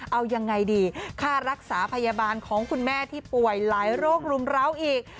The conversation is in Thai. เอายังไงดีค่ารักษาพยาบาลของคุณแม่ที่ป่วยหลายโรครุมร้าวอีก